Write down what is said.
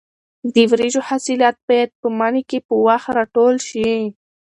د وریژو حاصلات باید په مني کې په وخت راټول شي.